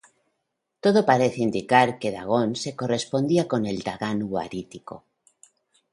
Todo parece indicar que Dagón se correspondía con el Dagan ugarítico.